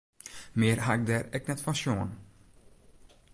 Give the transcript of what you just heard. Mear ha ik dêr ek net fan sjoen.